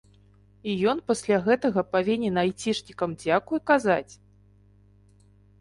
І ён пасля гэтага павінен айцішнікам дзякуй казаць?